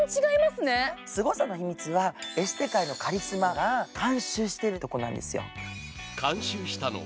すごさの秘密は、エステ界のカリスマが監修しているところなの。